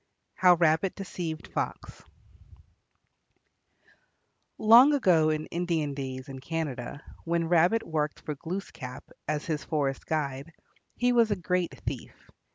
HOW RABBIT DECEIVED FOX Long ago in Indian days in Canada, when Rabbit worked for Glooskap as his forest guide, he was a great thief.